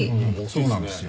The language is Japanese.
そうなんですよ。